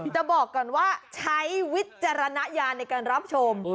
จะบอกก่อนว่าใช้วิจารณญาณในการรับชม